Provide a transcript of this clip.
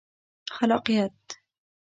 خلاقیت